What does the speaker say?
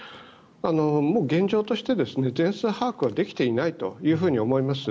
もう現状として全数把握はできていないと思います。